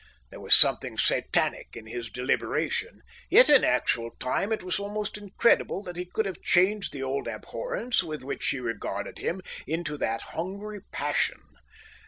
There was something satanic in his deliberation, yet in actual time it was almost incredible that he could have changed the old abhorrence with which she regarded him into that hungry passion.